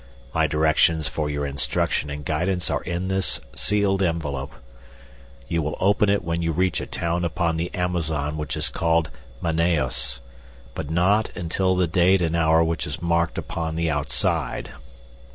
My directions for your instruction and guidance are in this sealed envelope. You will open it when you reach a town upon the Amazon which is called Manaos, but not until the date and hour which is marked upon the outside.